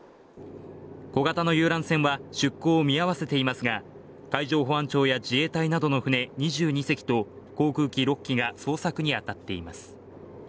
小型の遊覧船は出航を見合わせていますが海上保安庁や自衛隊などの船２２隻と航空機６機が捜索に当たっています